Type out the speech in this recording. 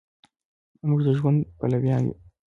مونږ د ژوند پلویان یو